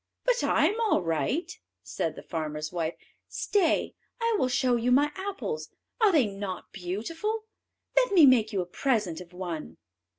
"But I am all right," said the farmer's wife. "Stay, I will show you my apples. Are they not beautiful? let me make you a present of one."